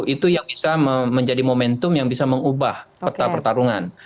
itu yang bisa menjadi momentum yang bisa mengubah peta pertarungan